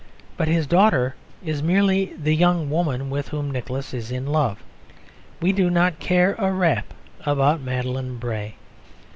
But his daughter is merely the young woman with whom Nicholas is in love. We do not care a rap about Madeline Bray.